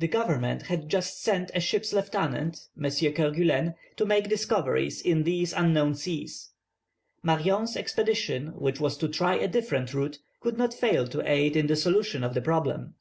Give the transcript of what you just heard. The government had just sent a ship's lieutenant, M. Kerguelen, to make discoveries in these unknown seas. Marion's expedition, which was to try a different route, could not fail to aid in the solution of the problem.